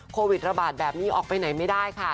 โควิดระบาดแบบนี้ออกไปไหนไม่ได้ค่ะ